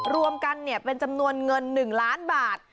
รวมกันเป็นจำนวนเงิน๑ล้านบาท